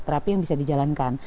terapi yang bisa dijalankan